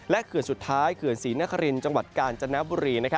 เขื่อนสุดท้ายเขื่อนศรีนครินทร์จังหวัดกาญจนบุรี